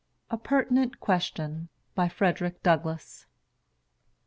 A PERTINENT QUESTION. BY FREDERICK DOUGLASS.